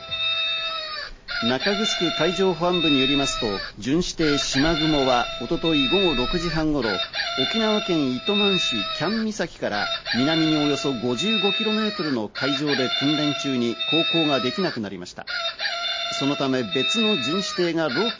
中城海上保安部によりますと、巡視艇「しまぐも」は一昨日午後６時半頃、沖縄県糸満市喜屋武岬から南におよそ５５ｋｍの海上で訓練中に航行ができなくなりました。